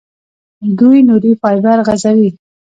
دوی نوري فایبر غځوي.